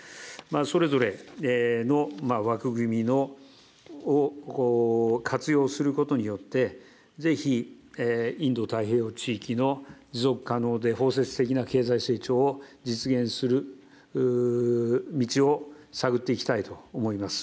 それぞれの枠組みを活用することによって、ぜひインド太平洋地域の持続可能で包摂的な経済成長を実現する道を探っていきたいと思います。